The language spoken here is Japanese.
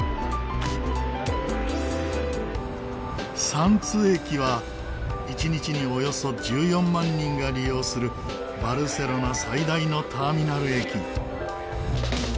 サンツ駅は一日におよそ１４万人が利用するバルセロナ最大のターミナル駅。